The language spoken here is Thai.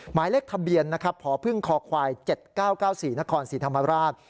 หมายเลขทะเบียนนะครับพพควาย๗๙๙๔นครศรีธรรมราช